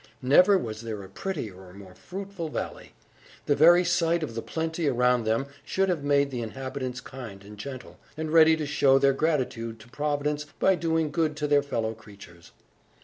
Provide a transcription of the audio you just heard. Never was there a prettier or more fruitful valley. The very sight of the plenty around them should have made the inhabitants kind and gentle, and ready to show their gratitude to Providence by doing good to their fellow creatures.